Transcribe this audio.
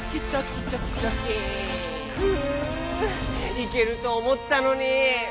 いけるとおもったのに。